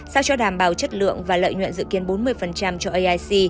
sao cho đảm bảo chất lượng và lợi nhuận dự kiến bốn mươi cho aic